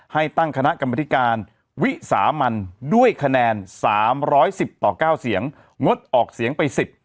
ให้ตั้งคณะกรรมธิการวิสามันด้วยคะแนน๓๑๐ต่อ๙เสียงงดออกเสียงไป๑๐